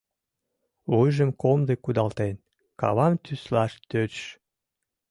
Вуйжым комдык кудалтен, кавам тӱслаш тӧчыш.